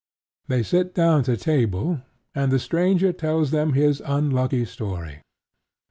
They sit down to table; and the stranger tells them his unlucky story.